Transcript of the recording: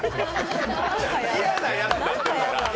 嫌なやつになってるから！